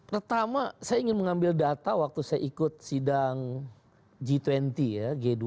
pertama saya ingin mengambil data waktu saya ikut sidang g dua puluh ya